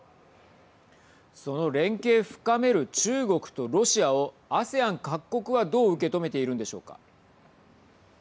その連携深める中国とロシアをＡＳＥＡＮ各国はどう受け止めているんでしょうか。